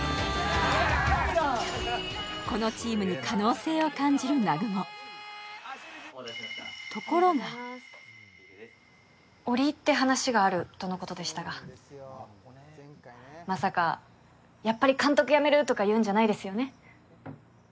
このチームに可能性を感じる南雲折り入って話があるとのことでしたがまさかやっぱり監督辞めるとか言うんじゃないですよね